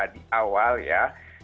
dari awal ya